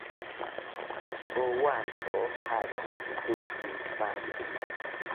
Oazo havas du infanojn.